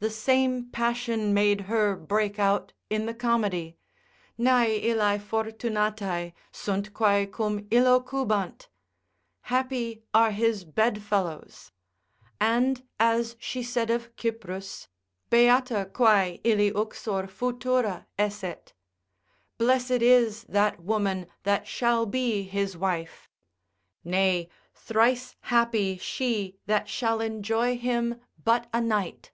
The same passion made her break out in the comedy, Nae illae fortunatae, sunt quae cum illo cubant, happy are his bedfellows; and as she said of Cyprus, Beata quae illi uxor futura esset, blessed is that woman that shall be his wife, nay, thrice happy she that shall enjoy him but a night.